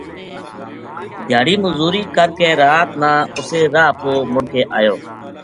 دھیاڑی مزدوری کر کے رات نا اُسے راہ پو مُڑ کے اَیو